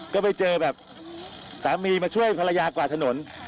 ก็ไปเจอแบบสามีมาช่วยภรรยากวาดถนน